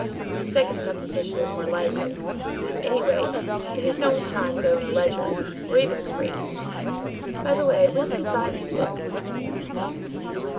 The second supposition is more likely. Anyway, it is no crime to own a ledger, or even three. By the way, when did he buy these books?"